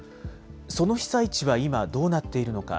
その被災地は今、どうなっているのか。